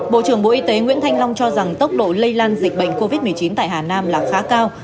bộ trưởng bộ y tế nguyễn thanh long cho rằng tốc độ lây lan dịch bệnh covid một mươi chín tại hà nam là khá cao